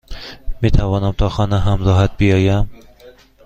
میتوانم تا خانه همراهت بیایم؟